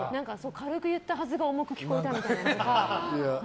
軽くやったはずが重く聞こえたみたいな。